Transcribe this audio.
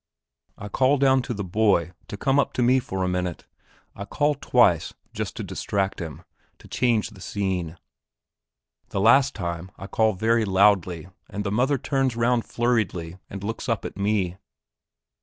I call down to the boy to come up to me for a minute; I call twice, just to distract them to change the scene. The last time I call very loudly, and the mother turns round flurriedly and looks up at me.